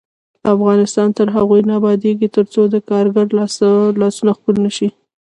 افغانستان تر هغو نه ابادیږي، ترڅو د کارګر لاسونه ښکل نشي.